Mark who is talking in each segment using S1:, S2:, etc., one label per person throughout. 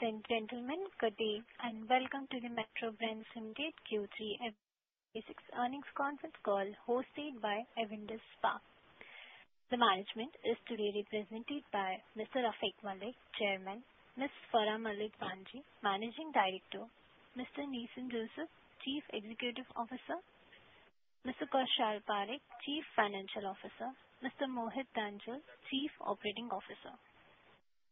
S1: Ladies and gentlemen, good day and welcome to the Metro Brands Limited Q3 FY 2026 earnings conference call hosted by Avendus Spark. The management is today represented by Mr. Rafique Malik, Chairman, Ms. Farah Malik Bhanji, Managing Director, Mr. Nissan Joseph, Chief Executive Officer, Mr. Kaushal Parekh, Chief Financial Officer, Mr. Mohit Tandon, Chief Operating Officer.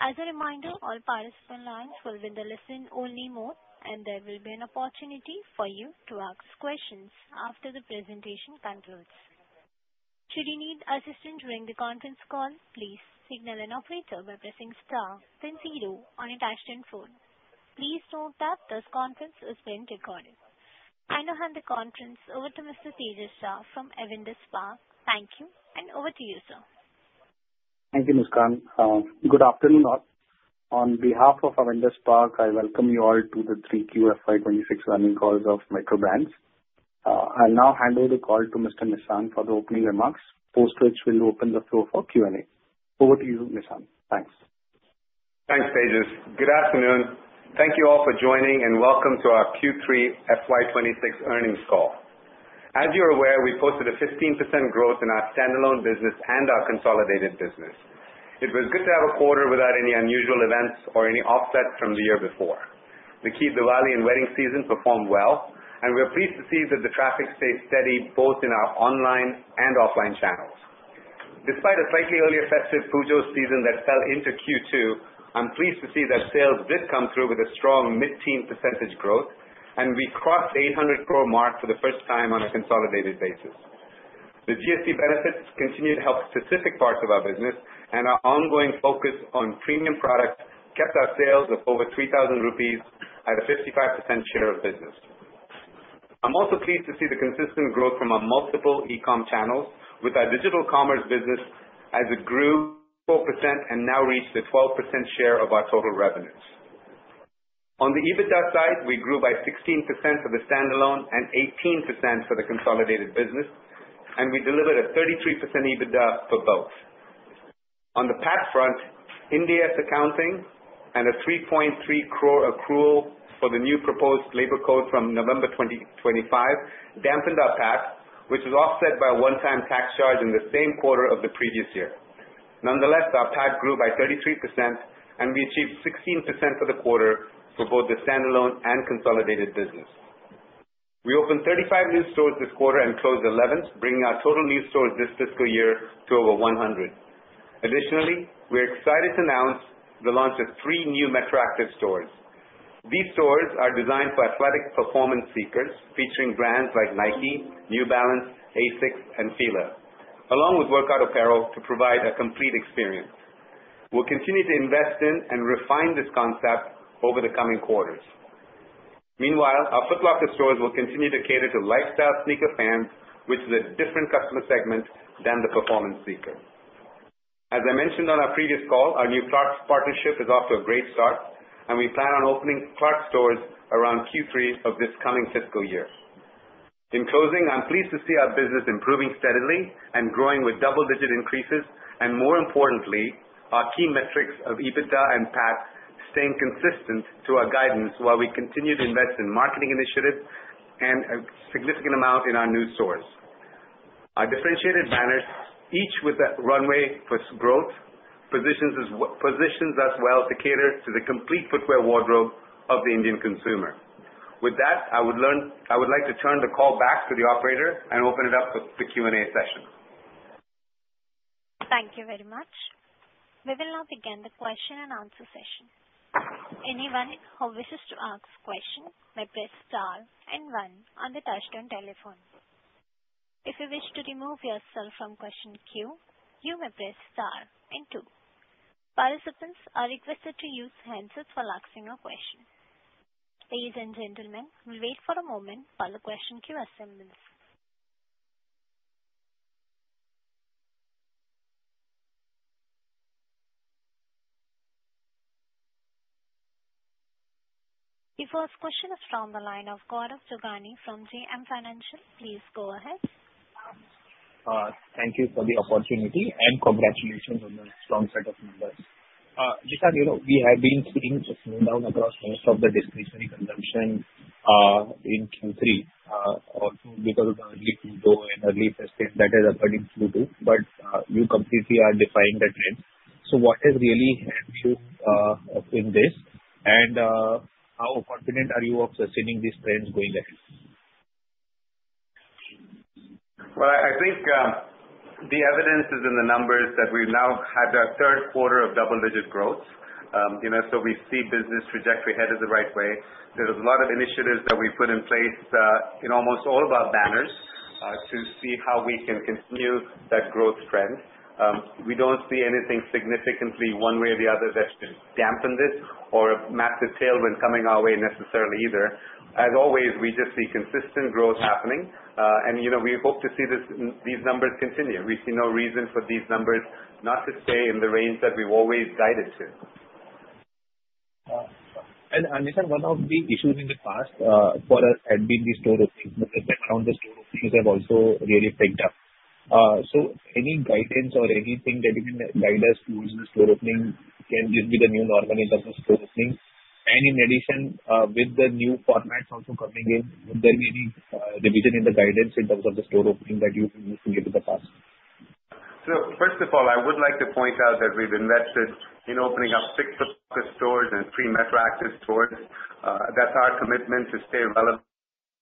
S1: As a reminder, all participant lines will be in the listen-only mode, and there will be an opportunity for you to ask questions after the presentation concludes. Should you need assistance during the conference call, please signal an operator by pressing star then zero on your touch-tone phone. Please note that this conference is being recorded. I now hand the conference over to Mr. Tejas Shah from Avendus Spark. Thank you, and over to you, sir.
S2: Thank you, Muskan. Good afternoon all. On behalf of Avendus Spark, I welcome you all to the Q3 FY 2026 earnings call of Metro Brands. I will now hand over the call to Mr. Nissan for the opening remarks, post which we will open the floor for Q&A. Over to you, Nissan. Thanks.
S3: Thanks, Tejas. Good afternoon. Thank you all for joining, and welcome to our Q3 FY 2026 earnings call. As you are aware, we posted a 15% growth in our standalone business and our consolidated business. It was good to have a quarter without any unusual events or any offsets from the year before. The Diwali and wedding season performed well, and we are pleased to see that the traffic stayed steady both in our online and offline channels. Despite a slightly early festive Pujas season that fell into Q2, I am pleased to see that sales did come through with a strong mid-teen percentage growth, and we crossed 800 crore mark for the first time on a consolidated basis. The GST benefits continued to help specific parts of our business, and our ongoing focus on premium products kept our sales of over 3,000 rupees at a 55% share of business. I am also pleased to see the consistent growth from our multiple e-com channels with our digital commerce business as it grew 4% and now reached a 12% share of our total revenues. On the EBITDA side, we grew by 16% for the standalone and 18% for the consolidated business, and we delivered a 33% EBITDA for both. On the PAT front, Ind AS accounting and a 3.3 crore accrual for the new proposed labor code from November 2025 dampened our PAT, which was offset by a one-time tax charge in the same quarter of the previous year. Nonetheless, our PAT grew by 33%, and we achieved 16% for the quarter for both the standalone and consolidated business. We opened 35 new stores this quarter and closed 11, bringing our total new stores this fiscal year to over 100. Additionally, we're excited to announce the launch of three new MetroActiv stores. These stores are designed for athletic performance seekers, featuring brands like Nike, New Balance, ASICS, and Fila, along with workout apparel to provide a complete experience. We'll continue to invest in and refine this concept over the coming quarters. Meanwhile, our Foot Locker stores will continue to cater to lifestyle sneaker fans, which is a different customer segment than the performance seeker. As I mentioned on our previous call, our new Clarks partnership is off to a great start, and we plan on opening Clarks stores around Q3 of this coming fiscal year. In closing, I'm pleased to see our business improving steadily and growing with double-digit increases, and more importantly, our key metrics of EBITDA and PAT staying consistent to our guidance while we continue to invest in marketing initiatives and a significant amount in our new stores. Our differentiated banners, each with a runway for growth, positions us well to cater to the complete footwear wardrobe of the Indian consumer. With that, I would like to turn the call back to the operator and open it up for Q&A session.
S1: Thank you very much. We will now begin the question and answer session. Anyone who wishes to ask a question may press star 1 on the touch-tone telephone. If you wish to remove yourself from question queue, you may press star 2. Participants are requested to use handsets for asking a question. Ladies and gentlemen, we wait for a moment while the question queue assembles. The first question is from the line of Gaurav Jogani from JM Financial. Please go ahead.
S4: Thank you for the opportunity and congratulations on the strong set of numbers. Nissan, you know, we have been seeing a slowdown across most of the discretionary consumption in Q3 also because of early Pujas and early festive that has occurred in Q2, but you completely are defying that trend. What has really helped you in this, and how confident are you of sustaining these trends going ahead?
S3: I think the evidence is in the numbers that we've now had our third quarter of double-digit growth. We see business trajectory headed the right way. There's a lot of initiatives that we've put in place in almost all of our banners to see how we can continue that growth trend. We don't see anything significantly one way or the other that's going to dampen this or a massive tailwind coming our way necessarily either. As always, we just see consistent growth happening, and we hope to see these numbers continue. We see no reason for these numbers not to stay in the range that we've always guided to.
S4: Nissan, one of the issues in the past quarter had been the store openings, but the background of store openings have also really picked up. Any guidance or anything that you can guide us to use the store opening can give me the new normal in terms of store opening. In addition, with the new formats also coming in, would there be any revision in the guidance in terms of the store opening that you can give to the past?
S3: First of all, I would like to point out that we've invested in opening up 6 Foot Locker stores and 3 MetroActiv stores. That's our commitment to stay relevant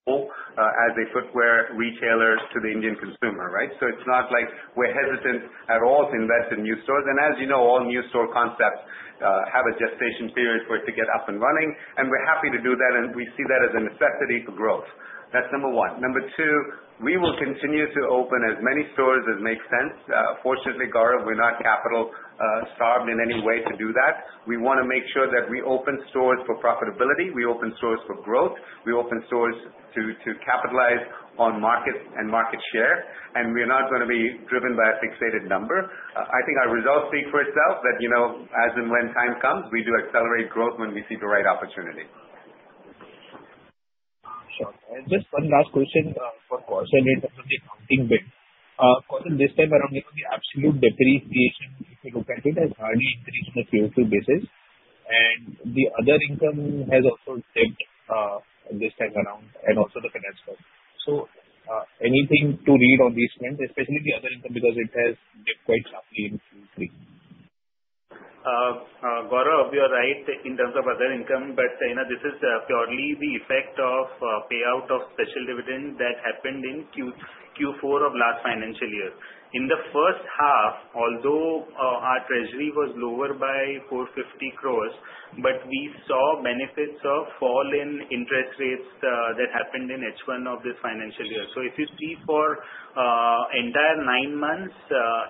S3: as a footwear retailer to the Indian consumer, right? It's not like we're hesitant at all to invest in new stores. As you know, all new store concepts have a gestation period for it to get up and running, and we're happy to do that, and we see that as a necessity for growth. That's number 1. Number 2, we will continue to open as many stores as makes sense. Fortunately, Gaurav, we're not capital-starved in any way to do that. We want to make sure that we open stores for profitability. We open stores for growth. We open stores to capitalize on market and market share. We are not going to be driven by a fixated number. I think our results speak for itself that, as and when time comes, we do accelerate growth when we see the right opportunity.
S4: Sure. Just one last question for Kaushal in terms of the accounting bit. Kaushal, this time around, look at the absolute depreciation. If you look at it has hardly increased on a quarter-over-quarter basis, the other income has also dipped this time around, and also the finance cost. Anything to read on these fronts, especially the other income, because it has dipped quite sharply in Q3.
S5: Gaurav, you're right in terms of other income, this is purely the effect of payout of special dividend that happened in Q4 of last financial year. In the first half, although our treasury was lower by 450 crore, we saw benefits of fall in interest rates that happened in H1 of this financial year. If you see for entire nine months,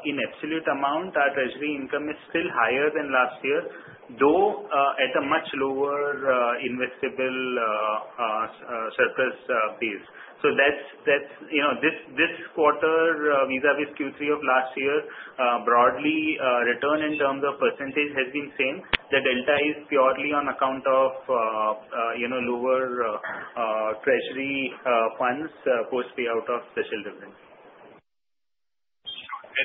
S5: in absolute amount, our treasury income is still higher than last year, though at a much lower investable surplus base. This quarter vis-a-vis Q3 of last year, broadly, return in terms of percentage has been same. The delta is purely on account of lower treasury funds post payout of special dividends.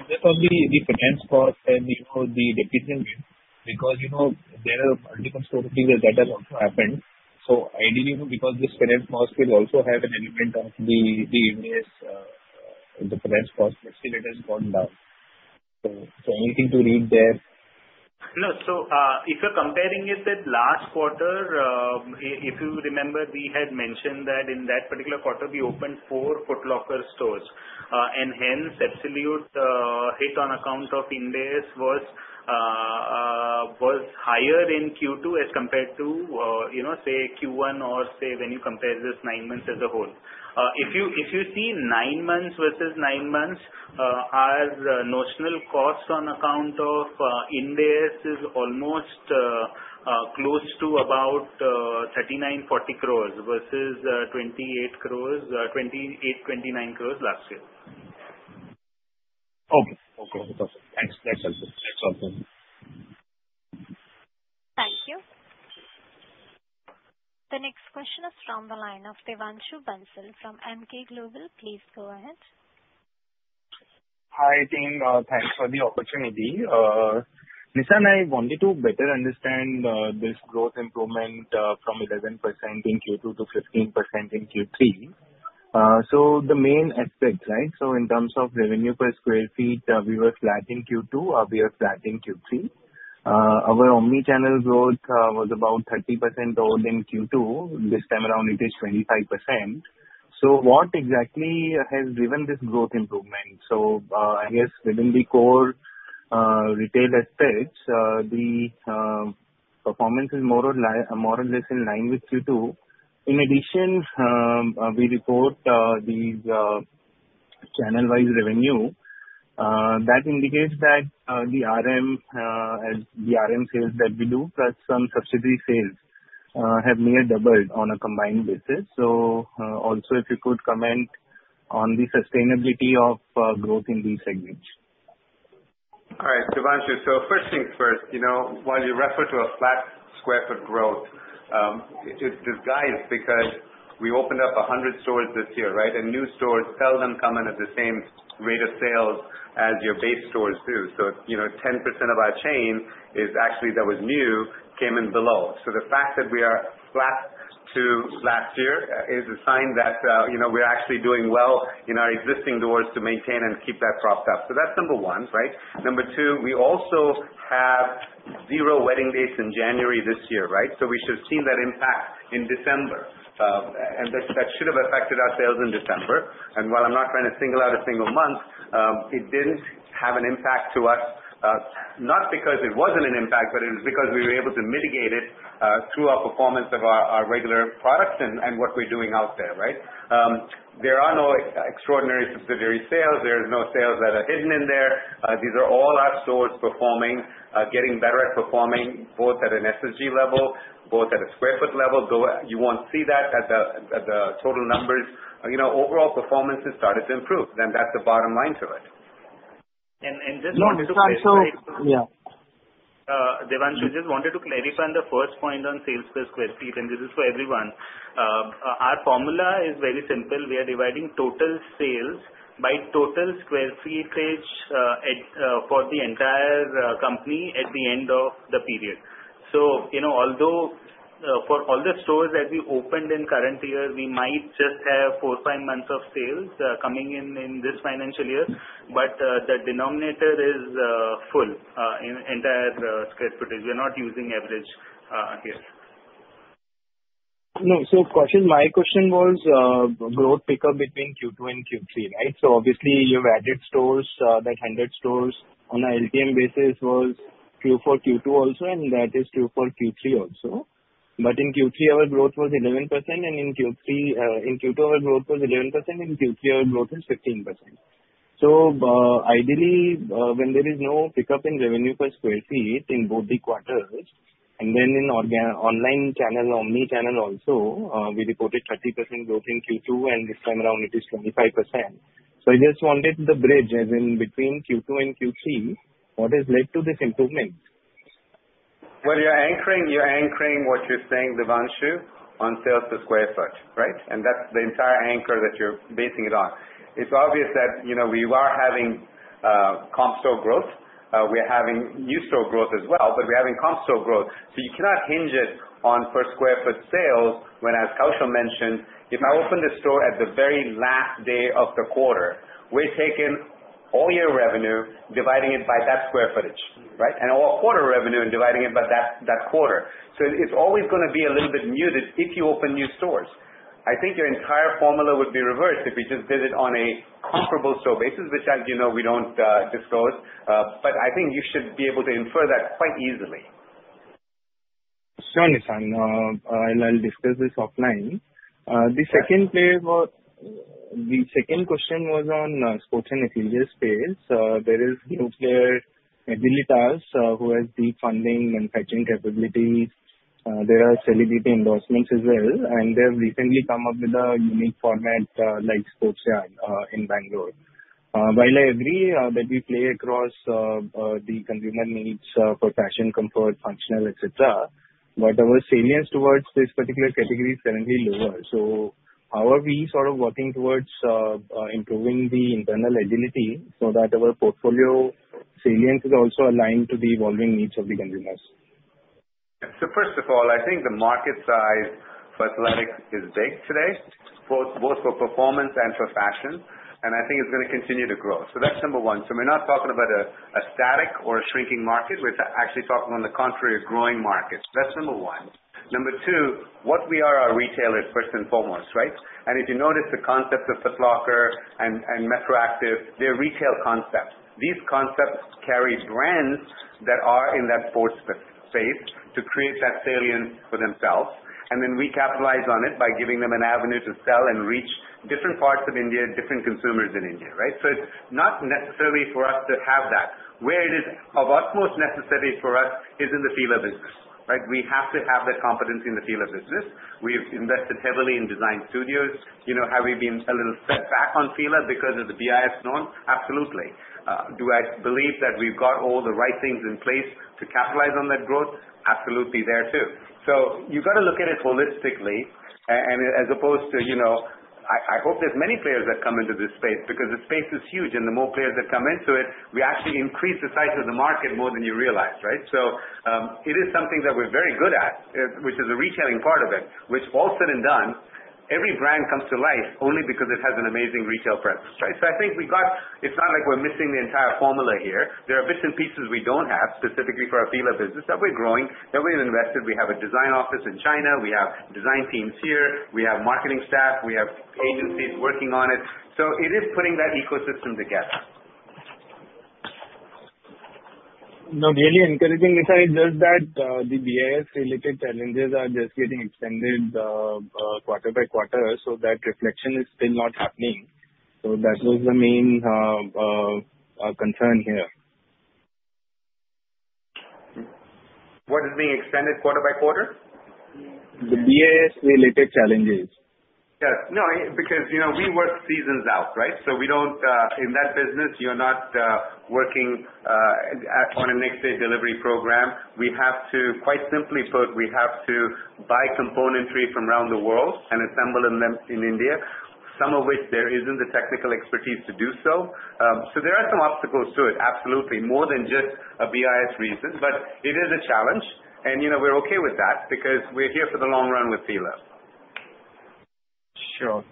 S4: That's only the finance cost and the depreciation bit because there are multiple store openings that has also happened. Ideally, because this finance cost will also have an element of the Ind AS, the finance cost, still it has gone down. Anything to read there?
S5: No. If you're comparing it with last quarter, if you remember, we had mentioned that in that particular quarter, we opened four Foot Locker stores. Hence absolute hit on account of Ind AS was higher in Q2 as compared to, say, Q1 or, say, when you compare this nine months as a whole. If you see nine months versus nine months, our notional cost on account of Ind AS is almost close to about 39, 40 crore versus 28, 29 crore last year.
S4: Okay. Perfect. Thanks. That's helpful.
S1: Thank you. The next question is from the line of Devanshu Bansal from Emkay Global. Please go ahead.
S6: Hi, team. Thanks for the opportunity. Nissan, I wanted to better understand this growth improvement from 11% in Q2 to 15% in Q3. The main aspects, right? In terms of revenue per square feet, we were flat in Q2, we are flat in Q3. Our omni-channel growth was about 30% odd in Q2. This time around it is 25%. What exactly has driven this growth improvement? I guess within the core retail aspects, the performance is more or less in line with Q2. In addition, we report these channel-wise revenue, that indicates that the RM sales that we do, plus some subsidiary sales, have near doubled on a combined basis. Also if you could comment on the sustainability of growth in these segments.
S3: All right, Devanshu. First things first, while you refer to a flat square foot growth, it's disguised because we opened up 100 stores this year, right? New stores seldom come in at the same rate of sales as your base stores do. 10% of our chain actually that was new, came in below. The fact that we are flat to last year is a sign that we're actually doing well in our existing stores to maintain and keep that propped up. That's number one, right? Number two, we also have zero wedding dates in January this year, right? We should have seen that impact in December. That should have affected our sales in December. While I'm not trying to single out a single month, it didn't have an impact to us, not because it wasn't an impact, but it was because we were able to mitigate it through our performance of our regular products and what we're doing out there, right? There are no extraordinary subsidiary sales. There is no sales that are hidden in there. These are all our stores performing, getting better at performing, both at an SSG level, both at a square foot level. You won't see that at the total numbers. Overall performance has started to improve, and that's the bottom line to it.
S5: Just wanted to clarify.
S6: No, it's not.
S5: Devansh, we just wanted to clarify on the first point on sales per square feet, and this is for everyone. Our formula is very simple. We are dividing total sales by total square footage for the entire company at the end of the period. Although for all the stores that we opened in current year, we might just have four, five months of sales coming in in this financial year. But the denominator is full entire square footage. We're not using average here.
S6: My question was growth pickup between Q2 and Q3, right? Obviously you've added stores, that 100 stores on a LTM basis was true for Q2 also, and that is true for Q3 also. In Q2, our growth was 11%, in Q3 our growth was 15%. Ideally, when there is no pickup in revenue per square feet in both the quarters, and then in online channel, omni-channel also, we reported 30% growth in Q2 and this time around it is 25%. I just wanted the bridge as in between Q2 and Q3, what has led to this improvement?
S3: Well, you're anchoring what you're saying, Devanshu, on sales per square foot, right? That's the entire anchor that you're basing it on. It's obvious that we are having comp store growth. We're having new store growth as well, we're having comp store growth, you cannot hinge it on per-square-foot sales when, as Kaushal mentioned, if I open the store at the very last day of the quarter, we're taking all year revenue, dividing it by that square footage, right? And all quarter revenue and dividing it by that quarter. It's always gonna be a little bit muted if you open new stores. I think your entire formula would be reversed if we just did it on a comparable store basis, which as you know, we don't disclose. I think you should be able to infer that quite easily.
S6: Sure, Nishant. I'll discuss this offline. The second question was on sports and athleisure space. There is new player, Agilitas, who has deep funding, manufacturing capabilities. There are celebrity endorsements as well, and they have recently come up with a unique format like SportsYard in Bengaluru. While I agree that we play across the consumer needs for fashion, comfort, functional, et cetera, our salience towards this particular category is currently lower. How are we sort of working towards improving the internal agility so that our portfolio salience is also aligned to the evolving needs of the consumers?
S3: First of all, I think the market size for athletics is big today, both for performance and for fashion, and I think it's gonna continue to grow. That's number one. Number two, what we are retailers first and foremost, right? If you notice the concept of Foot Locker and MetroActiv, they're retail concepts. These concepts carry brands that are in that sports space to create that salience for themselves, and then we capitalize on it by giving them an avenue to sell and reach different parts of India, different consumers in India, right? It's not necessary for us to have that. Where it is of utmost necessity for us is in the Fila business, right? We have to have that competency in the Fila business. We've invested heavily in design studios. Have we been a little set back on Fila because of the BIS norms? Absolutely. Do I believe that we've got all the right things in place to capitalize on that growth? Absolutely there too. You've got to look at it holistically as opposed to I hope there's many players that come into this space because the space is huge and the more players that come into it, we actually increase the size of the market more than you realize, right? It is something that we're very good at, which is the retailing part of it, which all said and done, every brand comes to life only because it has an amazing retail presence, right? I think it's not like we're missing the entire formula here. There are bits and pieces we don't have specifically for our Fila business that we're growing, that we have invested. We have a design office in China, we have design teams here, we have marketing staff, we have agencies working on it. It is putting that ecosystem together.
S6: No, really encouraging, Nishant, just that the BIS-related challenges are just getting extended quarter by quarter, that reflection is still not happening. That was the main concern here.
S3: What is being extended quarter by quarter?
S6: The BIS-related challenges.
S3: Yes. No, because we work seasons out, right? In that business, you're not working on a next-day delivery program. Quite simply put, we have to buy componentry from around the world and assemble them in India, some of which there isn't the technical expertise to do so. There are some obstacles to it, absolutely. More than just a BIS reason, but it is a challenge, and we're okay with that because we're here for the long run with Fila.
S6: Sure.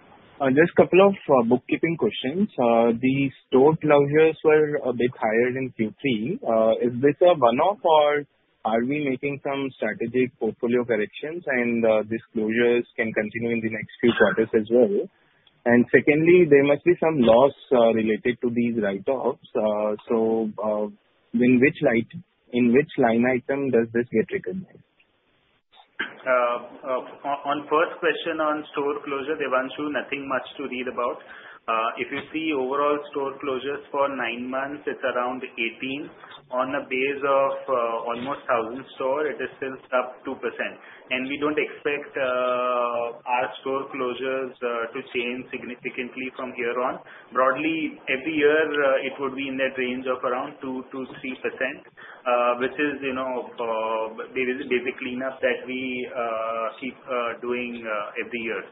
S6: Just couple of bookkeeping questions. The store closures were a bit higher in Q3. Is this a one-off or are we making some strategic portfolio corrections and these closures can continue in the next few quarters as well? Secondly, there must be some loss related to these write-offs. In which line item does this get recognized?
S5: On first question on store closure, Devanshu, nothing much to read about. If you see overall store closures for nine months, it's around 18. On a base of almost 1,000 stores, it is still up 2%. We don't expect our store closures to change significantly from here on. Broadly, every year it would be in that range of around 2%-3%, which is the basic cleanup that we keep doing every year.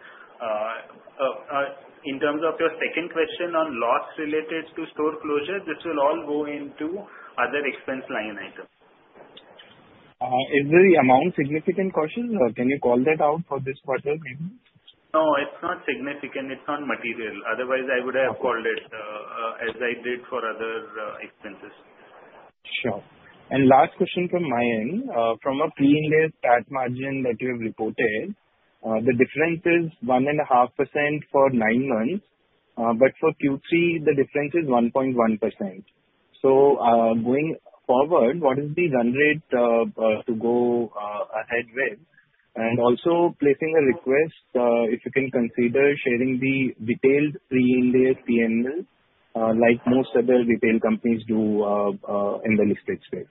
S5: In terms of your second question on loss related to store closure, this will all go into other expense line items.
S6: Is the amount significant, Kaushal? Can you call that out for this quarter maybe?
S5: No, it is not significant, it is not material. Otherwise, I would have called it as I did for other expenses.
S6: Sure. Last question from my end. From a pre-Ind AS PAT margin that you have reported, the difference is 1.5% for nine months, for Q3 the difference is 1.1%. Going forward, what is the run rate to go ahead with? And also placing a request, if you can consider sharing the detailed pre-Ind AS P&L, like most other retail companies do in the listed space.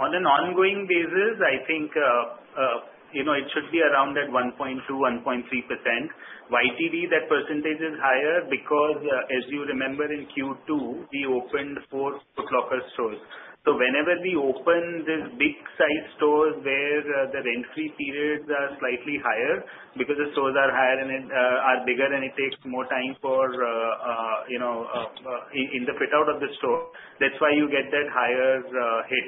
S5: On an ongoing basis, I think it should be around that 1.2%, 1.3%. YTD that percentage is higher because, as you remember in Q2, we opened four Foot Locker stores. Whenever we open these big size stores where the rent-free periods are slightly higher because the stores are bigger and it takes more time in the fit-out of the store. That is why you get that higher hit.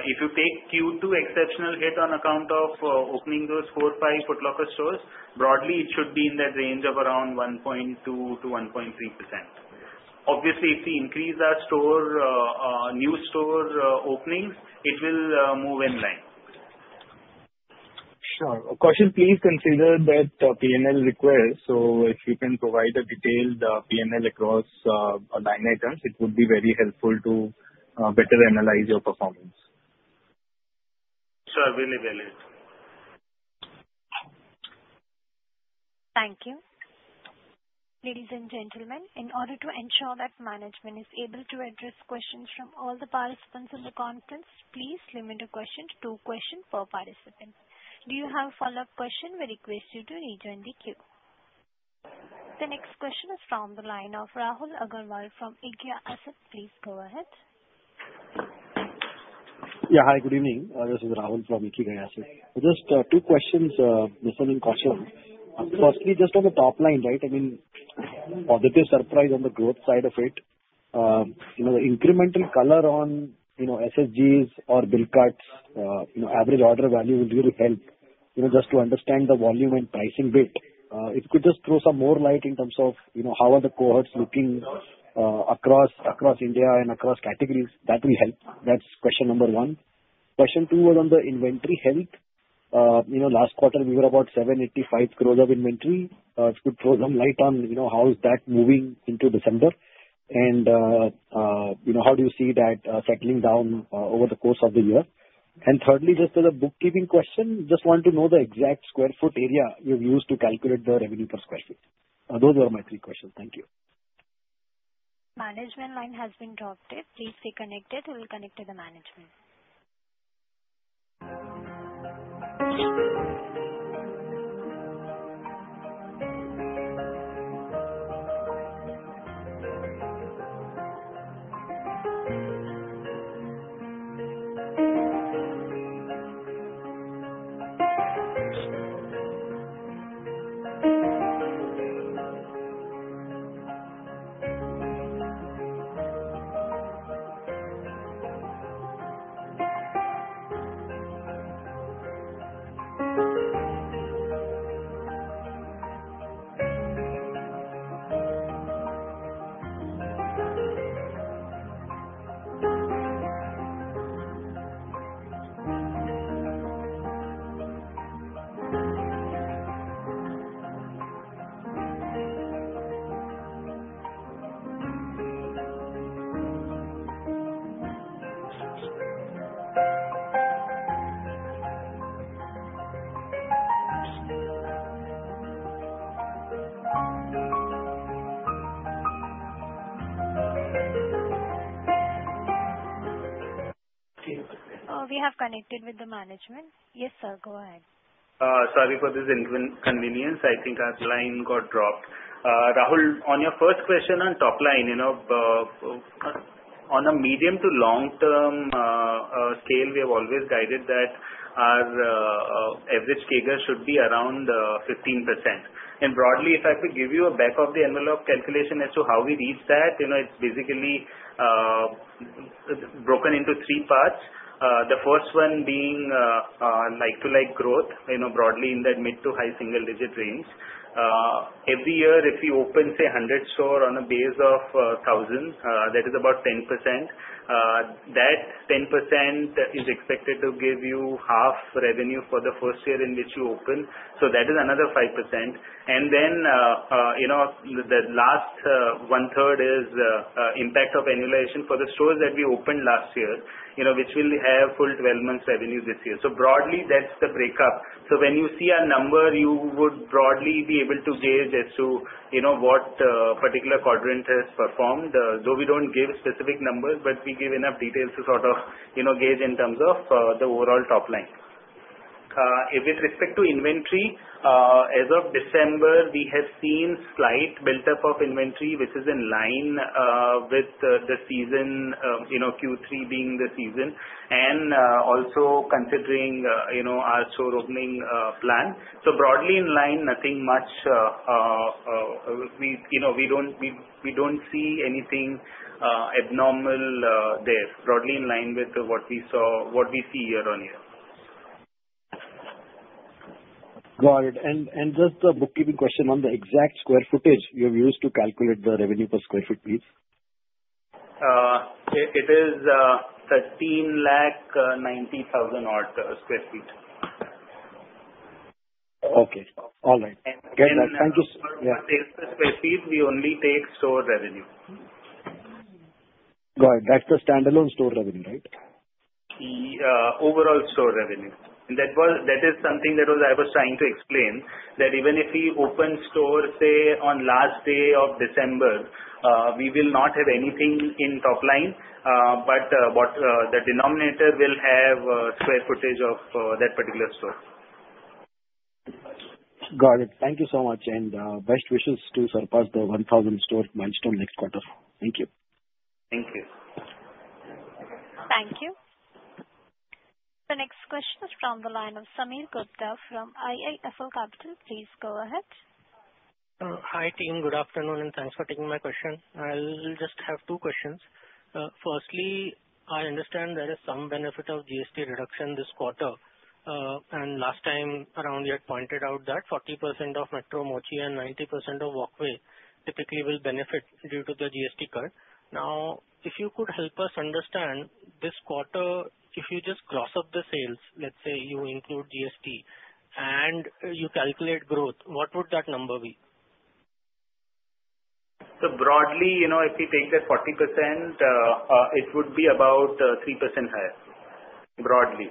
S5: If you take Q2 exceptional hit on account of opening those four, five Foot Locker stores, broadly it should be in that range of around 1.2%-1.3%. Obviously, if we increase our new store openings, it will move in line.
S6: Sure. Kaushal Parekh, please consider that P&L request. If you can provide a detailed P&L across line items it would be very helpful to better analyze your performance.
S5: Sure, will evaluate.
S1: Thank you. Ladies and gentlemen, in order to ensure that management is able to address questions from all the participants in the conference, please limit your questions to two questions per participant. If you have a follow-up question, we request you to rejoin the queue. The next question is from the line of Rahul Aggarwal from Ikigai Asset Management. Please go ahead.
S7: Yeah. Hi, good evening. This is Rahul Aggarwal from Ikigai Asset Management. Just two questions, Mr. Kaushal Parekh. Firstly, just on the top line. Positive surprise on the growth side of it. The incremental color on SSGs or bill cuts, average order value will really help just to understand the volume and pricing bit. If you could just throw some more light in terms of how are the cohorts looking across India and across categories, that will help. That's question number one. Question two was on the inventory health. Last quarter we were about 785 crores of inventory. If you could throw some light on how is that moving into December and how do you see that settling down over the course of the year? And thirdly, just as a bookkeeping question, just want to know the exact square foot area you've used to calculate the revenue per square feet. Those are my three questions. Thank you.
S1: Management line has been dropped. Please stay connected. We will connect to the management. We have connected with the management. Yes, sir. Go ahead.
S5: Sorry for this inconvenience. I think our line got dropped. Rahul, on your first question on top line. On a medium to long-term scale we have always guided that our average CAGR should be around 15%. Broadly, if I could give you a back of the envelope calculation as to how we reach that, it's basically broken into three parts. The first one being like-to-like growth, broadly in that mid to high single digit range. Every year if you open, say, 100 stores on a base of 1,000, that is about 10%. That 10% is expected to give you half revenue for the first year in which you open. That is another 5%. Then the last one-third is impact of annualization for the stores that we opened last year which will have full 12 months revenue this year. Broadly, that's the breakup. When you see our number you would broadly be able to gauge as to what particular quadrant has performed. Though we don't give specific numbers, we give enough details to sort of gauge in terms of the overall top line. With respect to inventory, as of December, we have seen slight built-up of inventory, which is in line with the season, Q3 being the season, also considering our store opening plan. Broadly in line, nothing much. We don't see anything abnormal there. Broadly in line with what we see year-over-year.
S7: Got it. Just a bookkeeping question on the exact square footage you have used to calculate the revenue per square foot, please.
S5: It is 13 lakh 90,000 odd square feet.
S7: Okay. All right. Get that. Thank you, sir. Yeah.
S5: Square feet, we only take store revenue.
S7: Got it. That's the standalone store revenue, right?
S5: Yeah. Overall store revenue. That is something that I was trying to explain, that even if we open store, say, on last day of December, we will not have anything in top line, but the denominator will have square footage of that particular store.
S7: Got it. Thank you so much, and best wishes to surpass the 1,000-store milestone next quarter. Thank you.
S5: Thank you.
S1: Thank you. The next question is from the line of Sameer Gupta from IIFL Capital. Please go ahead.
S8: Hi, team. Good afternoon, and thanks for taking my question. I just have two questions. Firstly, I understand there is some benefit of GST reduction this quarter. Last time around you had pointed out that 40% of Metro Mochi and 90% of Walkway typically will benefit due to the GST cut. If you could help us understand this quarter, if you just gross up the sales, let's say you include GST and you calculate growth, what would that number be?
S5: Broadly, if we take that 40%, it would be about 3% higher. Broadly.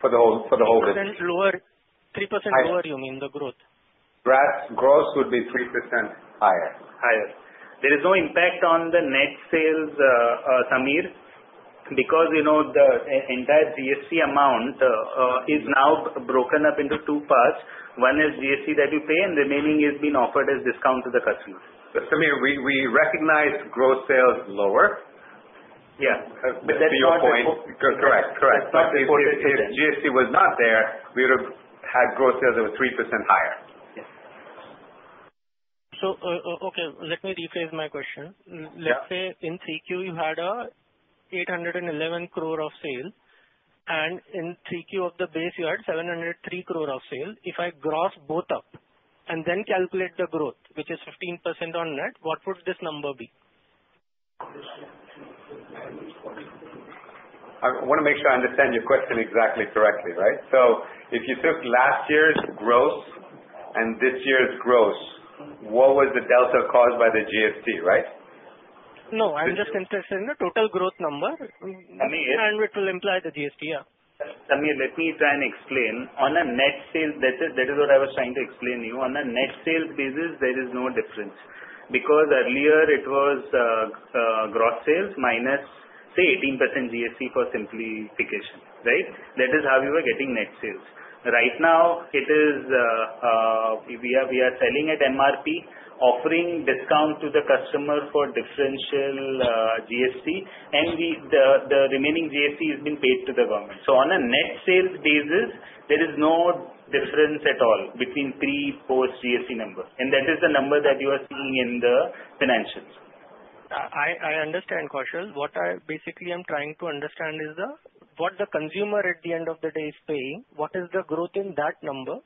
S3: For the whole business.
S8: 3% lower, you mean, the growth?
S5: Gross would be 3% higher.
S3: Higher.
S5: There is no impact on the net sales, Sameer, because the entire GST amount is now broken up into two parts. One is GST that you pay, and remaining is being offered as discount to the customer.
S3: Sameer, we recognize gross sales lower.
S5: Yeah.
S3: To your point. Correct.
S5: That's what-
S3: If GST was not there, we would have had gross sales that were 3% higher.
S5: Yes.
S8: Okay. Let me rephrase my question.
S5: Yeah.
S8: Let's say in 3Q, you had 811 crore of sale. In 3Q of the base, you had 703 crore of sale. If I gross both up and then calculate the growth, which is 15% on net, what would this number be?
S3: I want to make sure I understand your question exactly correctly, right? If you took last year's gross and this year's gross, what was the delta caused by the GST, right?
S8: No, I'm just interested in the total growth number.
S3: Sameer-
S8: It will imply the GST, yeah.
S5: Sameer, let me try and explain. On a net sales, that is what I was trying to explain to you. On a net sales basis, there is no difference, because earlier it was gross sales minus, say, 18% GST for simplification, right? That is how we were getting net sales. Right now, we are selling at MRP, offering discount to the customer for differential GST, and the remaining GST has been paid to the government. On a net sales basis, there is no difference at all between pre-, post-GST numbers, and that is the number that you are seeing in the financials.
S8: I understand, Kaushal. What I basically am trying to understand is what the consumer at the end of the day is paying, what is the growth in that number?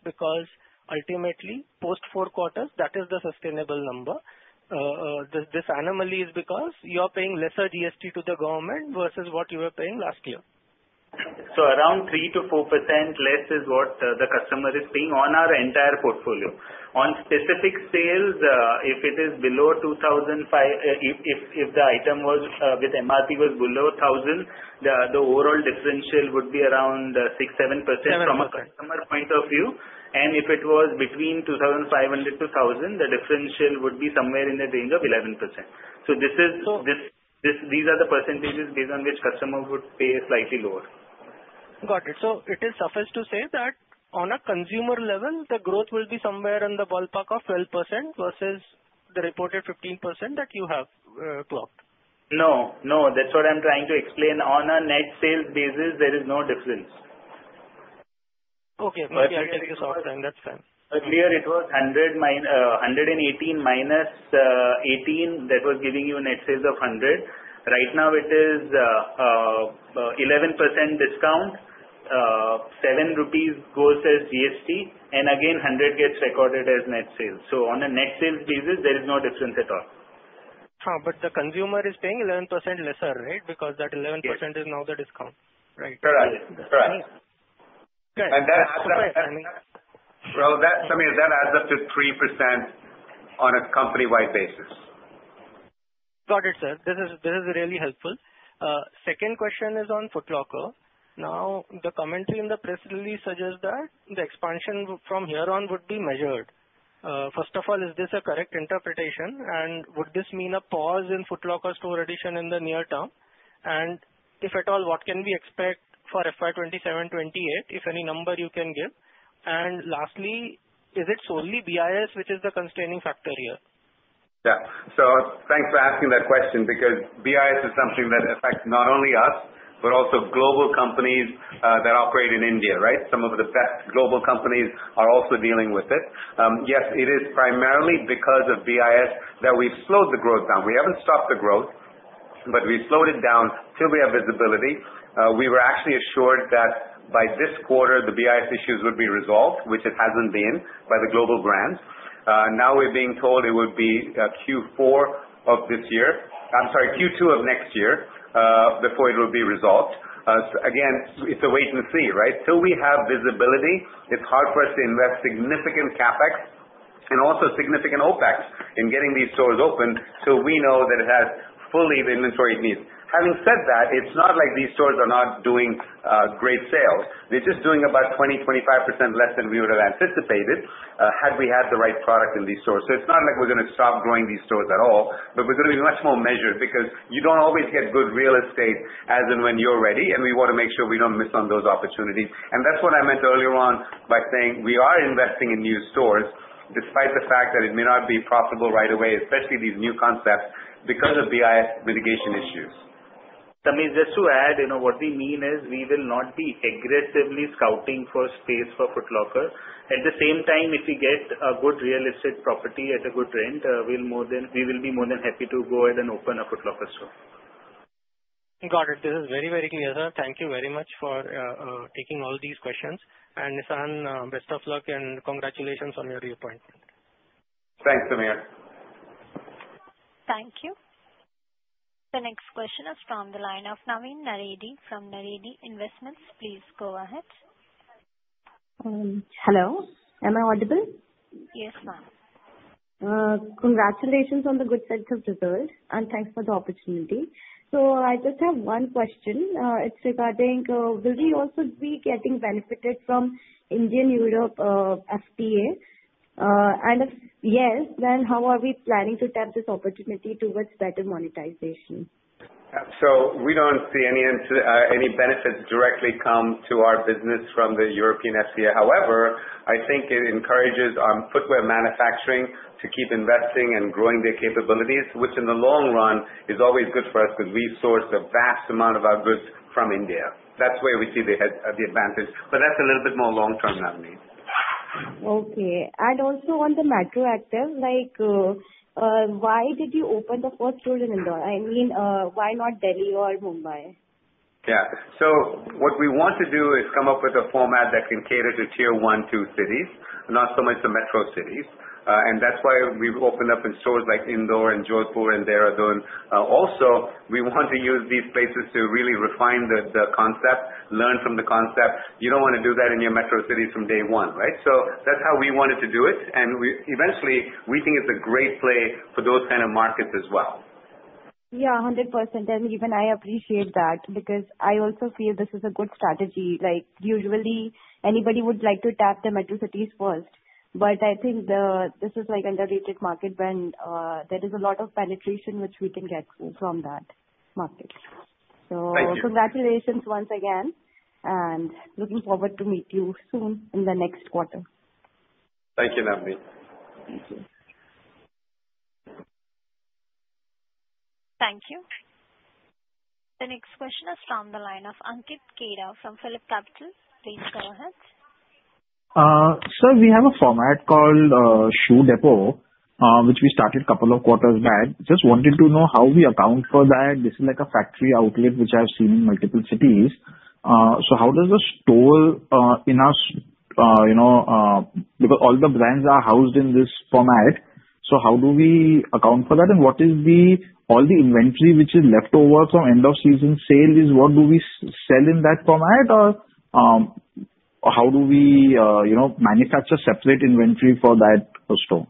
S8: Ultimately, post four quarters, that is the sustainable number. This anomaly is because you are paying lesser GST to the government versus what you were paying last year.
S5: Around 3%-4% less is what the customer is paying on our entire portfolio. On specific sales, if the item with MRP was below 1,000, the overall differential would be around 6%-7% from a customer point of view. And if it was between 2,500 to 1,000, the differential would be somewhere in the range of 11%. These are the percentages based on which customers would pay slightly lower.
S8: Got it. It is suffice to say that on a consumer level, the growth will be somewhere in the ballpark of 12% versus the reported 15% that you have clocked.
S5: That's what I'm trying to explain. On a net sales basis, there is no difference.
S8: Maybe I'll take a short time. That's fine.
S5: Earlier it was 118 minus 18 that was giving you a net sales of 100. Right now it is 11% discount. 7 rupees goes as GST and again, 100 gets recorded as net sales. On a net sales basis, there is no difference at all.
S8: The consumer is paying 11% lesser, right? Because that 11% is now the discount, right?
S5: Correct.
S3: Well, Sameer, that adds up to 3% on a company-wide basis.
S8: Got it, sir. This is really helpful. Second question is on Foot Locker. The commentary in the press release suggests that the expansion from here on would be measured. First of all, is this a correct interpretation? Would this mean a pause in Foot Locker store addition in the near term? If at all, what can we expect for FY 2027, 2028? If any number you can give. Lastly, is it solely BIS which is the constraining factor here?
S3: Yeah. Thanks for asking that question because BIS is something that affects not only us, but also global companies that operate in India, right? Some of the best global companies are also dealing with it. Yes, it is primarily because of BIS that we've slowed the growth down. We haven't stopped the growth, but we slowed it down till we have visibility. We were actually assured that by this quarter, the BIS issues would be resolved, which it hasn't been, by the global brands. We're being told it would be Q4 of this year, Q2 of next year, before it will be resolved. It's a wait and see, right? Till we have visibility, it's hard for us to invest significant CapEx and also significant OpEx in getting these stores open so we know that it has fully the inventory it needs. Having said that, it's not like these stores are not doing great sales. They're just doing about 20-25% less than we would have anticipated, had we had the right product in these stores. It's not like we're going to stop growing these stores at all, but we're going to be much more measured because you don't always get good real estate as and when you're ready, we want to make sure we don't miss on those opportunities. That's what I meant earlier on by saying we are investing in new stores despite the fact that it may not be profitable right away, especially these new concepts because of BIS mitigation issues.
S5: Sameer, just to add, what we mean is we will not be aggressively scouting for space for Foot Locker. At the same time, if we get a good real estate property at a good rent, we will be more than happy to go ahead and open a Foot Locker store.
S8: Got it. This is very clear, sir. Thank you very much for taking all these questions. Nissan, best of luck and congratulations on your reappointment.
S3: Thanks, Sameer.
S1: Thank you. The next question is from the line of Navneet Naredi from Naredi Investments. Please go ahead.
S9: Hello, am I audible?
S1: Yes, ma'am.
S9: Congratulations on the good set of results, and thanks for the opportunity. I just have one question. It's regarding, will we also be getting benefited from Indian Europe FTA? If yes, then how are we planning to tap this opportunity towards better monetization?
S3: We don't see any benefits directly come to our business from the European FTA. However, I think it encourages our footwear manufacturing to keep investing and growing their capabilities, which in the long run is always good for us because we source a vast amount of our goods from India. That's where we see the advantage, but that's a little bit more long-term, Navneet.
S9: Okay. Also on the MetroActiv, why did you open the first store in Indore? I mean, why not Delhi or Mumbai?
S3: Yeah. What we want to do is come up with a format that can cater to tier 1, 2 cities, not so much the metro cities. That's why we've opened up in stores like Indore and Jodhpur and Dehradun. Also, we want to use these places to really refine the concept, learn from the concept. You don't want to do that in your metro cities from day one, right? That's how we wanted to do it. Eventually, we think it's a great play for those kind of markets as well.
S9: Yeah, 100%. Even I appreciate that because I also feel this is a good strategy. Usually anybody would like to tap the metro cities first, I think this is an underrated market when there is a lot of penetration which we can get from that market.
S3: Thank you.
S9: Congratulations once again, looking forward to meet you soon in the next quarter.
S3: Thank you, Navneet.
S9: Thank you.
S1: Thank you. The next question is from the line of Ankit Khera from PhillipCapital. Please go ahead.
S10: Sir, we have a format called Shoe Depot, which we started couple of quarters back. Just wanted to know how we account for that. This is like a factory outlet which I've seen in multiple cities. How does the store because all the brands are housed in this format. How do we account for that? What is all the inventory which is left over from end of season sale is what do we sell in that format? How do we manufacture separate inventory for that store?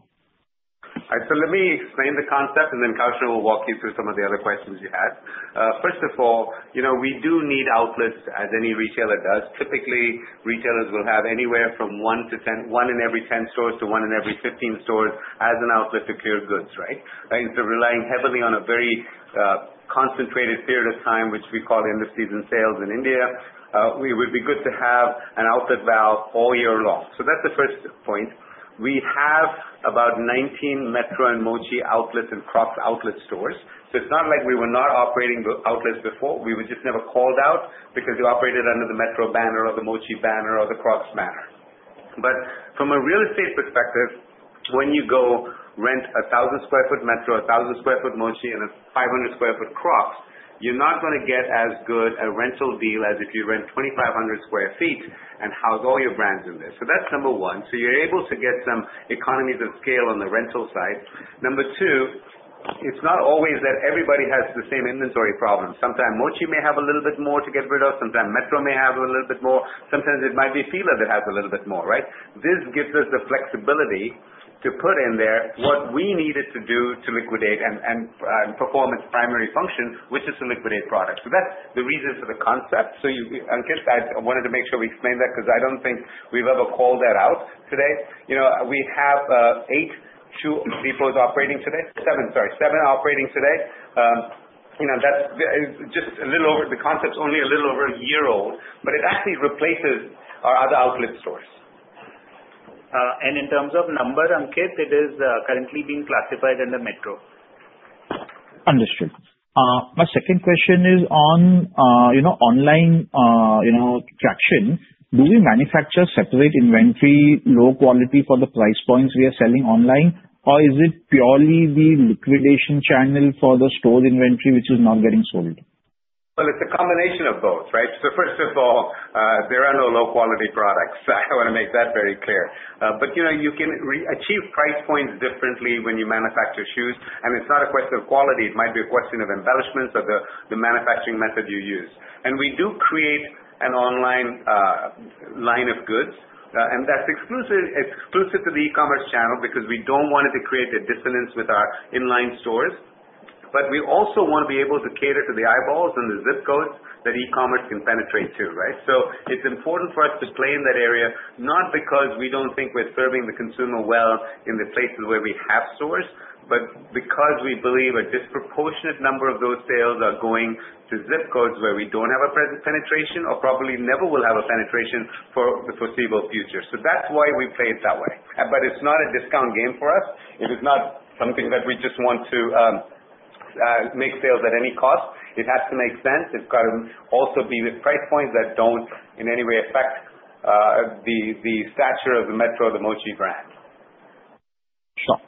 S3: Let me explain the concept. Kaushal will walk you through some of the other questions you had. First of all, we do need outlets as any retailer does. Typically, retailers will have anywhere from one in every 10 stores to one in every 15 stores as an outlet to clear goods, right? Instead of relying heavily on a very concentrated period of time, which we call end of season sales in India, we would be good to have an outlet valve all year long. That's the first point. We have about 19 Metro and Mochi outlets and Crocs outlet stores. It's not like we were not operating the outlets before. We were just never called out because we operated under the Metro banner or the Mochi banner or the Crocs banner. From a real estate perspective, when you go rent 1,000 sq ft Metro, 1,000 sq ft Mochi, and a 500 sq ft Crocs, you're not going to get as good a rental deal as if you rent 2,500 sq ft and house all your brands in there. That's number 1. You're able to get some economies of scale on the rental side. Number 2, it's not always that everybody has the same inventory problem. Sometimes Mochi may have a little bit more to get rid of, sometimes Metro may have a little bit more, sometimes it might be Fila that has a little bit more, right? This gives us the flexibility to put in there what we needed to do to liquidate and perform its primary function, which is to liquidate product. That's the reason for the concept. Ankit, I wanted to make sure we explained that because I don't think we've ever called that out today. We have 8 Shoe Depots operating today. 7, sorry. 7 operating today. The concept's only a little over a year old, but it actually replaces our other outlet stores.
S5: In terms of number, Ankit, it is currently being classified under Metro.
S10: Understood. My second question is on online traction. Do we manufacture separate inventory, low quality for the price points we are selling online, or is it purely the liquidation channel for the store inventory which is not getting sold?
S3: It's a combination of both, right? First of all, there are no low-quality products. I want to make that very clear. You can achieve price points differently when you manufacture shoes, and it's not a question of quality. It might be a question of embellishments or the manufacturing method you use. We do create an online line of goods, and that's exclusive to the e-commerce channel because we don't want it to create a dissonance with our in-line stores. We also want to be able to cater to the eyeballs and the ZIP codes that e-commerce can penetrate too, right? It's important for us to play in that area, not because we don't think we're serving the consumer well in the places where we have stores, but because we believe a disproportionate number of those sales are going to ZIP codes where we don't have a presence penetration or probably never will have a penetration for the foreseeable future. That's why we play it that way. It's not a discount game for us. It is not something that we just want to make sales at any cost. It has to make sense. It's got to also be with price points that don't in any way affect the stature of the Metro or the Mochi brand.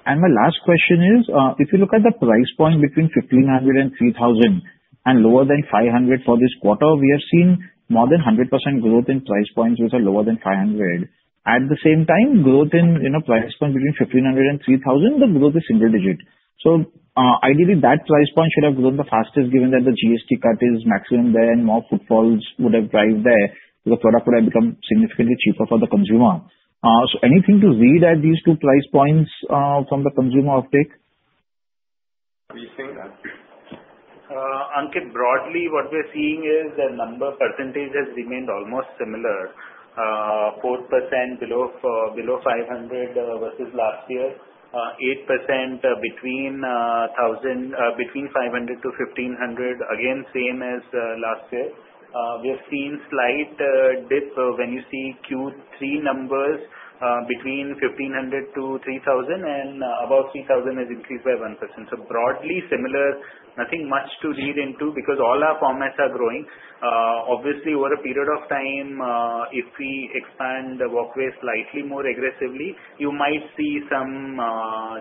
S10: My last question is, if you look at the price point between 1,500 and 3,000 and lower than 500 for this quarter, we have seen more than 100% growth in price points which are lower than 500. At the same time, growth in price point between 1,500 and 3,000, the growth is single digit. Ideally, that price point should have grown the fastest given that the GST cut is maximum there and more footfalls would have drived there because product would have become significantly cheaper for the consumer. Anything to read at these two price points from the consumer optic?
S3: We've seen that.
S5: Ankit, broadly what we are seeing is the number percentage has remained almost similar. 4% below 500 versus last year. 8% between 500 to 1,500, again, same as last year. We have seen slight dip when you see Q3 numbers between 1,500 to 3,000 and above 3,000 has increased by 1%. Broadly similar, nothing much to read into because all our formats are growing. Obviously, over a period of time, if we expand the Walkway slightly more aggressively, you might see some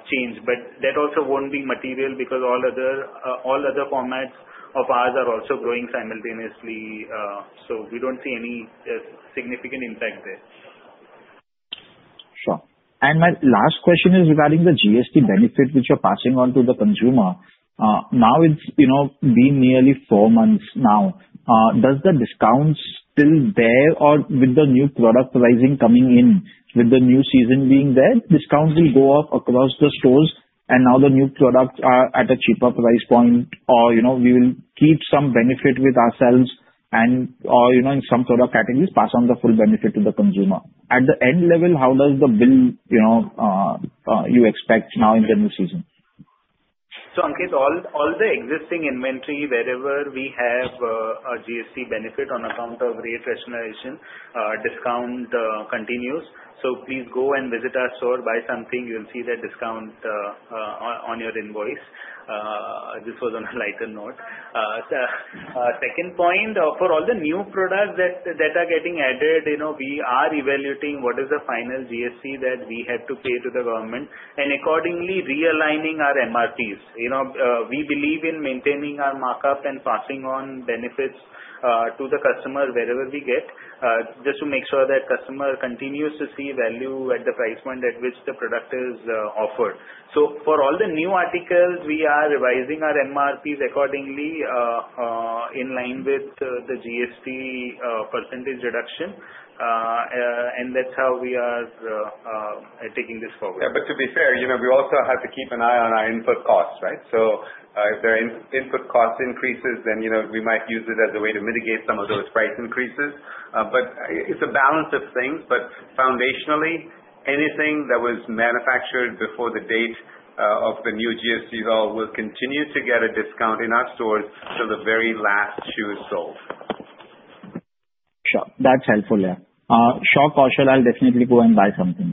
S5: change, but that also won't be material because all other formats of ours are also growing simultaneously. We don't see any significant impact there.
S10: My last question is regarding the GST benefit which you're passing on to the consumer. Now it's been nearly 4 months now. Does the discount still there or with the new product pricing coming in with the new season being there, discounts will go up across the stores and now the new products are at a cheaper price point, or we will keep some benefit with ourselves and, in some product categories, pass on the full benefit to the consumer. At the end level, how does the bill you expect now in the new season?
S5: Ankit, all the existing inventory wherever we have a GST benefit on account of rate rationalization, discount continues. Please go and visit our store, buy something, you will see that discount on your invoice. This was on a lighter note. Second point, for all the new products that are getting added, we are evaluating what is the final GST that we had to pay to the government and accordingly realigning our MRPs. We believe in maintaining our markup and passing on benefits to the customer wherever we get, just to make sure that customer continues to see value at the price point at which the product is offered. For all the new articles, we are revising our MRPs accordingly in line with the GST % reduction. That's how we are taking this forward.
S3: To be fair, we also have to keep an eye on our input costs, right? If the input cost increases, then we might use it as a way to mitigate some of those price increases. It's a balance of things. Foundationally, anything that was manufactured before the date of the new GST law will continue to get a discount in our stores till the very last shoe is sold.
S10: Sure. That's helpful. Shop I shall, I'll definitely go and buy something.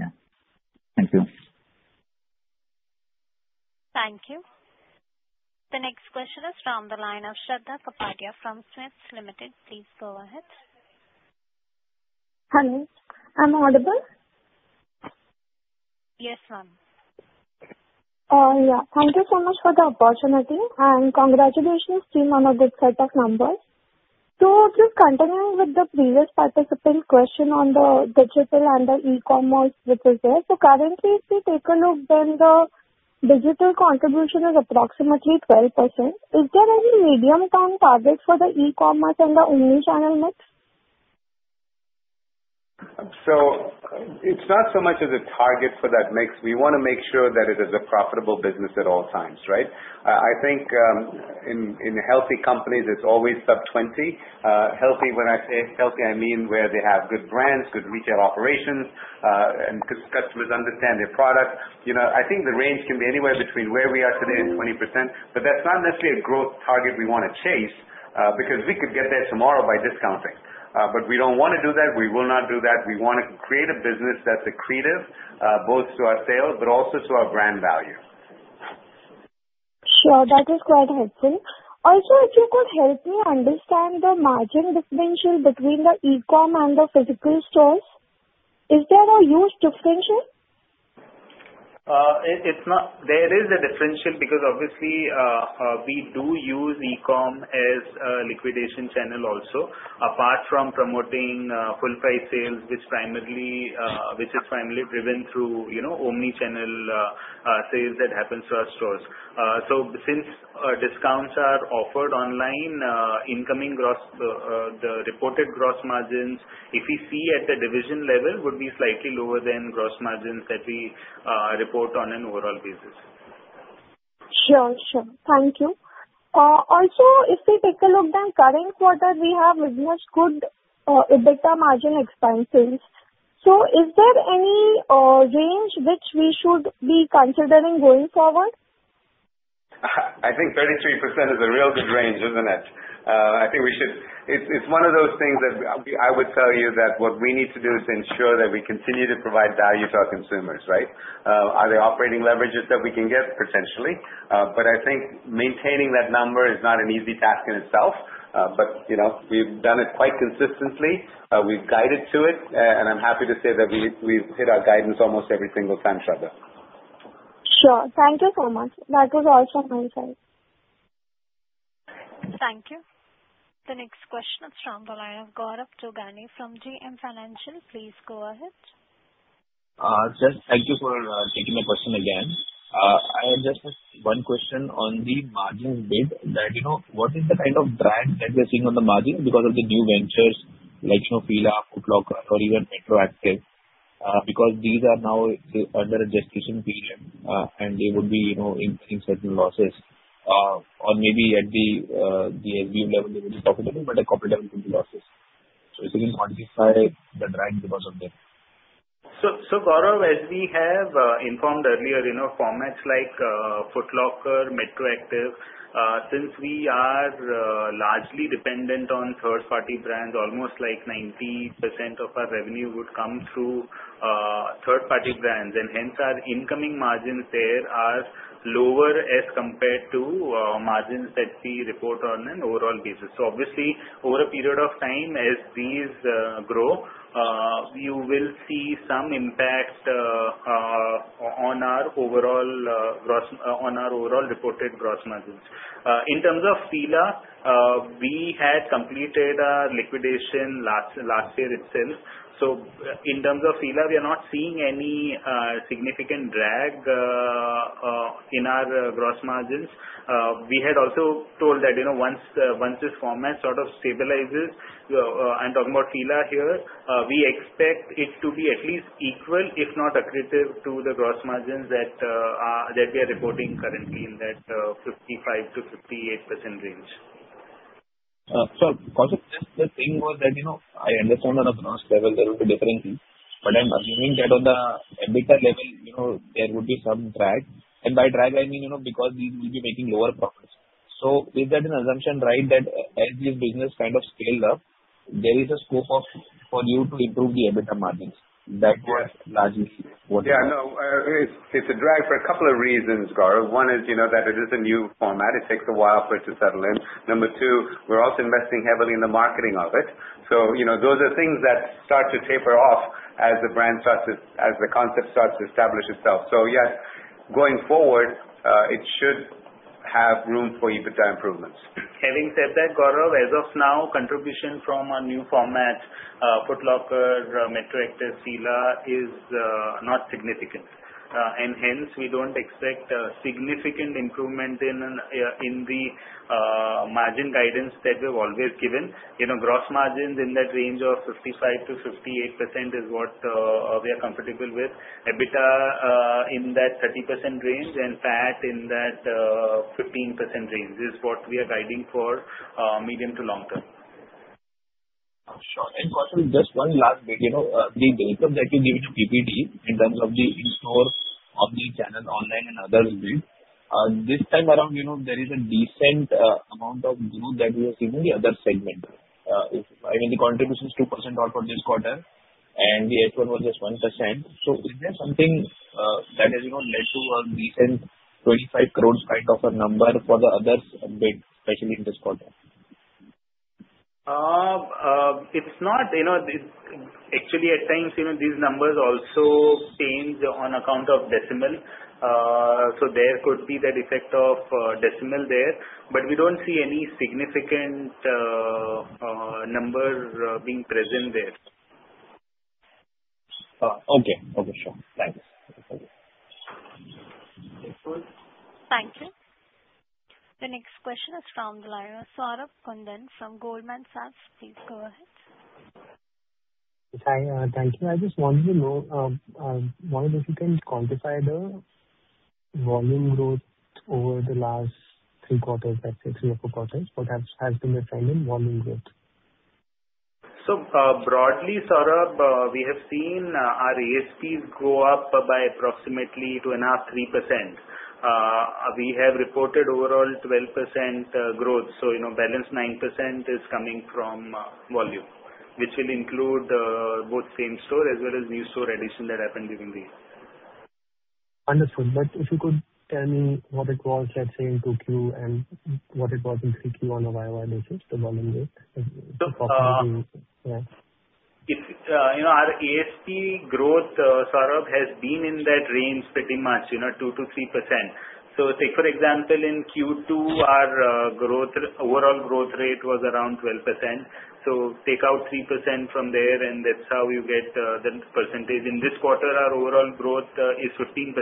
S10: Thank you.
S1: Thank you. The next question is from the line of Shraddha Kapadia from SMIFS Limited. Please go ahead.
S11: Hello, am I audible?
S1: Yes, ma'am.
S11: Yeah. Thank you so much for the opportunity, congratulations team on a good set of numbers. Just continuing with the previous participant question on the digital and the e-commerce which is there. Currently, if we take a look, then the digital contribution is approximately 12%. Is there any medium-term target for the e-commerce and the omni-channel mix?
S3: It's not so much as a target for that mix. We want to make sure that it is a profitable business at all times. Right? I think in healthy companies, it's always sub 20. When I say healthy, I mean where they have good brands, good retail operations, and customers understand their product. I think the range can be anywhere between where we are today and 20%, but that's not necessarily a growth target we want to chase because we could get there tomorrow by discounting. We don't want to do that. We will not do that. We want to create a business that's accretive both to our sales but also to our brand value.
S11: Sure. That is quite helpful. Also, if you could help me understand the margin differential between the e-com and the physical stores. Is there a huge differential?
S5: There is a differential because obviously, we do use e-com as a liquidation channel also, apart from promoting full-price sales which is primarily driven through omni-channel sales that happens to our stores. Since discounts are offered online, the reported gross margins, if we see at a division level, would be slightly lower than gross margins that we report on an overall basis.
S11: Sure. Thank you. Also, if we take a look at the current quarter, we have witnessed good EBITDA margin expansions. Is there any range which we should be considering going forward?
S3: I think 33% is a real good range, isn't it? It's one of those things that I would tell you that what we need to do is ensure that we continue to provide value to our consumers, right? Are there operating leverages that we can get? Potentially. I think maintaining that number is not an easy task in itself. We've done it quite consistently. We've guided to it, and I'm happy to say that we've hit our guidance almost every single time, Shraddha.
S11: Sure. Thank you so much. That was all from my side.
S1: Thank you. The next question from the line of Gaurav Jogani from JM Financial. Please go ahead.
S4: Just thank you for taking the question again. I just have one question on the margins bit, that what is the kind of drag that we're seeing on the margin because of the new ventures like Fila, Foot Locker or even MetroActiv because these are now under a gestation period, and they would be incurring certain losses or maybe at the EBITDA level, they will be profitable, but at corporate level could be losses. It will modify the drag because of that.
S5: Gaurav, as we have informed earlier, formats like Foot Locker, MetroActiv, since we are largely dependent on third-party brands, almost 90% of our revenue would come through third-party brands, hence our incoming margins there are lower as compared to margins that we report on an overall basis. Obviously, over a period of time, as these grow, you will see some impact on our overall reported gross margins. In terms of Fila, we had completed our liquidation last year itself. In terms of Fila, we are not seeing any significant drag in our gross margins. We had also told that once this format sort of stabilizes, I'm talking about Fila here, we expect it to be at least equal, if not accretive to the gross margins that we are reporting currently in that 55%-58% range.
S4: Kaustub, just the thing was that I understand on a gross level there will be differences, but I'm assuming that on the EBITDA level, there would be some drag, and by drag, I mean because we will be making lower profits. Is that an assumption right, that as this business kind of scaled up, there is a scope for you to improve the EBITDA margins that were largely
S3: It's a drag for a couple of reasons, Gaurav. One is that it is a new format. It takes a while for it to settle in. Number two, we're also investing heavily in the marketing of it. Those are things that start to taper off as the concept starts to establish itself. Yes, going forward, it should have room for EBITDA improvements.
S5: Having said that, Gaurav, as of now, contribution from our new format, Foot Locker, MetroActiv, Fila, is not significant. Hence we don't expect a significant improvement in the margin guidance that we've always given. Gross margins in that range of 55%-58% is what we are comfortable with. EBITDA in that 30% range and PAT in that 15% range is what we are guiding for medium to long term.
S4: Sure. Kaustub, just one last bit. The breakup that you gave to PPD in terms of the in-stores, omnichannel, online and other bit. This time around, there is a decent amount of growth that we are seeing in the other segment. I mean, the contribution is 2% odd for this quarter, and the H1 was just 1%. Is there something that has led to a decent 25 crores kind of a number for the others bit, especially in this quarter?
S5: At times, these numbers also change on account of decimal. There could be that effect of decimal there, but we don't see any significant number being present there.
S4: Okay. Sure. Thanks.
S1: Thank you. The next question is from the line, Saurabh Kundu from Goldman Sachs. Please go ahead.
S12: Hi, thank you. I just wanted to know, wonder if you can quantify the volume growth over the last three quarters, let's say three or four quarters. What has been the trend in volume growth?
S5: broadly, Saurabh, we have seen our ASPs grow up by approximately two and a half, 3%. We have reported overall 12% growth. Balance 9% is coming from volume, which will include both same store as well as new store addition that happened during the year.
S12: Understood. If you could tell me what it was, let's say in Q2, and what it was in Q3 on a year-over-year basis, the volume growth approximately. Yeah.
S5: Our ASP growth, Saurabh, has been in that range pretty much, 2%-3%. Say, for example, in Q2, our overall growth rate was around 12%. Take out 3% from there, and that's how you get the %. In this quarter, our overall growth is 15%.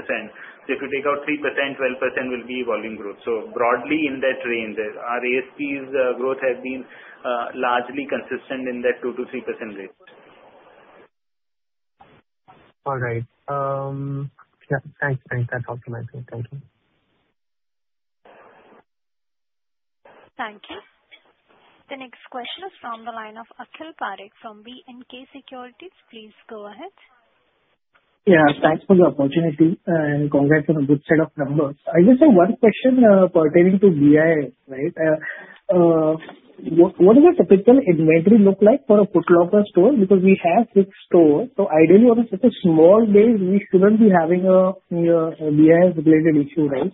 S5: If you take out 3%, 12% will be volume growth. broadly in that range. Our ASPs growth has been largely consistent in that 2%-3% range.
S12: All right. Yeah, thanks. That's all from my side. Thank you.
S1: Thank you. The next question is from the line of Akhil Parekh from B&K Securities. Please go ahead.
S13: Yeah, thanks for the opportunity, congrats on a good set of numbers. I just have one question pertaining to BIS, right? What does a typical inventory look like for a Foot Locker store? Because we have six stores, so ideally, on such a small base, we shouldn't be having a BIS-related issue, right?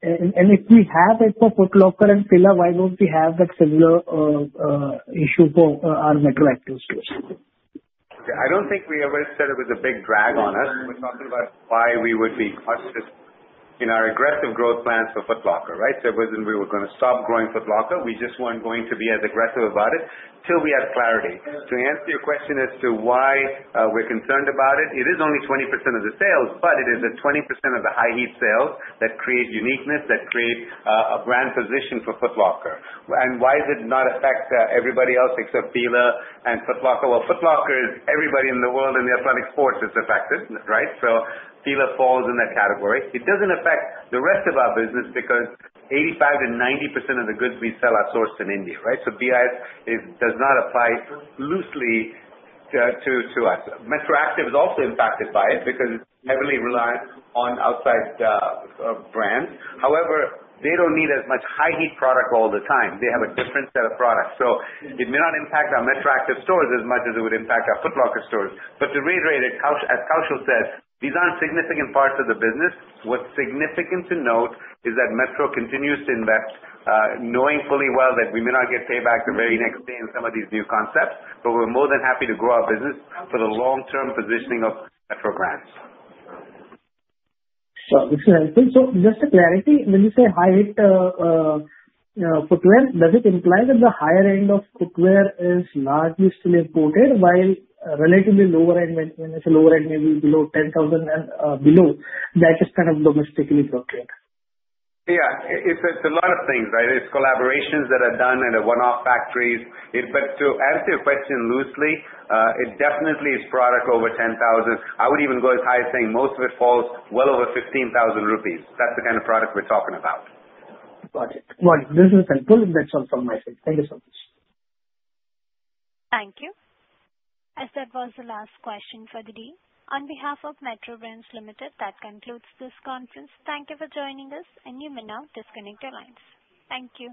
S13: If we have it for Foot Locker and Fila, why don't we have that similar issue for our MetroActiv stores?
S5: I don't think we ever said it was a big drag on us. We're talking about why we would be cautious in our aggressive growth plans for Foot Locker, right? It wasn't we were going to stop growing Foot Locker. We just weren't going to be as aggressive about it till we have clarity. To answer your question as to why we're concerned about it is only 20% of the sales, but it is the 20% of the high heat sales that create uniqueness, that create a brand position for Foot Locker. Why does it not affect everybody else except Fila and Foot Locker? Well, Foot Locker is everybody in the world in the athletic sports is affected, right? Fila falls in that category. It doesn't affect the rest of our business because 85%-90% of the goods we sell are sourced in India, right?
S3: BIS does not apply loosely to us. MetroActiv is also impacted by it because it's heavily reliant on outside brands. However, they don't need as much high heat product all the time. They have a different set of products. It may not impact our MetroActiv stores as much as it would impact our Foot Locker stores. To reiterate, as Kaushal said, these aren't significant parts of the business. What's significant to note is that Metro continues to invest, knowing fully well that we may not get payback the very next day in some of these new concepts. We're more than happy to grow our business for the long-term positioning of Metro Brands.
S13: Sure. This is helpful. Just a clarity, when you say high heat footwear, does it imply that the higher end of footwear is largely still imported while relatively lower end, maybe below 10,000 and below, that is kind of domestically procured?
S5: Yeah. It's a lot of things, right? It's collaborations that are done and are one-off factories. To answer your question loosely, it definitely is product over 10,000. I would even go as high as saying most of it falls well over 15,000 rupees. That's the kind of product we're talking about.
S13: Got it. This is helpful. That's all from my side. Thank you so much.
S1: Thank you. That was the last question for the day, on behalf of Metro Brands Limited, that concludes this conference. Thank you for joining us, you may now disconnect your lines. Thank you.